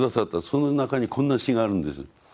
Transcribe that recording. その中にこんな詩があるんです。